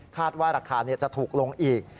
ว่าราคาจะถูกลงอีก